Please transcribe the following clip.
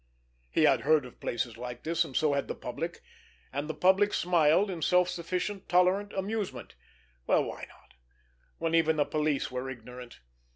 He had heard of places like this, and so had the public; and the public smiled in self sufficient tolerant amusement. Well, why not, where even the police were ignorant!